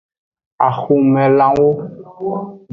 Axomelanwo.